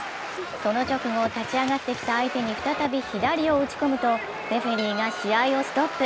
その直後、立ち上がってきた相手に再び左を打ち込むとレフェリーが試合をストップ。